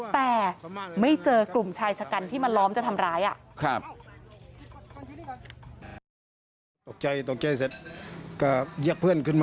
แต่ไม่เจอกลุ่มชายชะกันที่มาล้อมจะทำร้าย